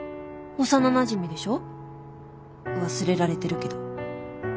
幼なじみでしょ忘れられてるけど。